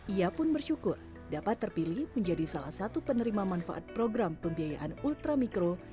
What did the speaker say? ia pun bersyukur dapat terpilih menjadi salah satu penerima manfaat program pembiayaan ultramikro